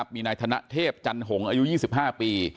มีนายธนเทพจันหงษ์อายุ๒๕ปี